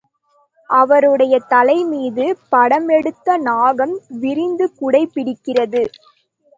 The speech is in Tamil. அவருடைய தலைமீது படமெடுத்த நாகம் விரிந்து குடை பிடிக்கிறது.